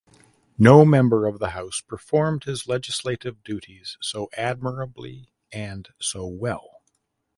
No member of the house performed his legislative duties so admirably and so well.